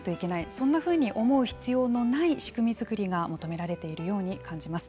そんなふうに思う必要のない仕組み作りが求められているように感じます。